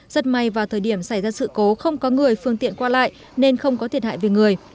rất may vào thời điểm xảy ra sự cố không có người phương tiện qua lại nên không có thiệt hại về người